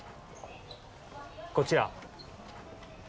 こちら。